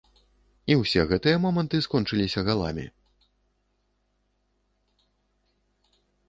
І ўсе гэтыя моманты скончыліся галамі!